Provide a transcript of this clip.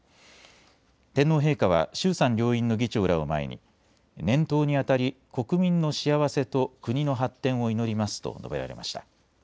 天皇陛下は衆参両院の議長らを前に年頭にあたり国民の幸せと国の発展を祈りますと述べられました。